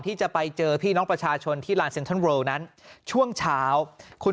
ที่จะไปเจอพี่น้องประชาชนที่ลานเซ็นทรัลเวิลนั้นช่วงเช้าคุณ